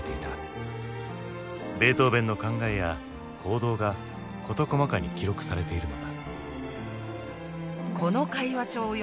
ベートーヴェンの考えや行動が事細かに記録されているのだ。